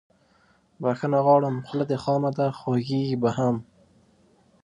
بخښنه غواړم خوله دې خامه ده خوږیږي به هم